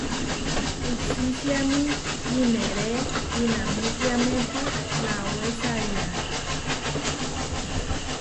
Kuhsíčiami ineré inamútiámepu nawésaria.